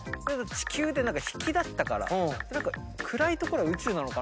地球引きだったから暗いとこが宇宙なのかなと。